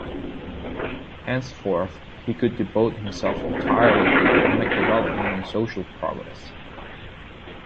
Henceforth he could devote himself entirely to economic development and social progress.